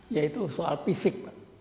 yaitu soal fisik